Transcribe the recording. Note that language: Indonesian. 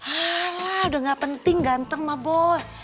alah udah gak penting ganteng ma boy